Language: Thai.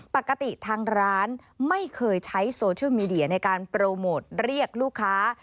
ปกติทางร้านไม่เคยใช้โซเชียลมีเดียในการโปรโมทเรียกลูกค้า